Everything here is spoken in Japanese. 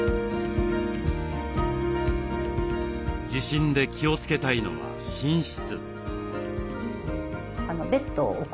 地震で気をつけたいのは寝室。